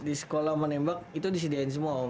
di sekolah menembak itu disediain semua om